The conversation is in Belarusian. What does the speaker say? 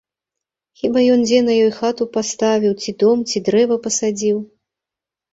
Хіба ён дзе на ёй хату паставіў, ці дом, ці дрэва пасадзіў?